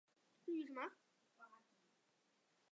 不论是黄蜂或是蜜蜂的刺都有毒。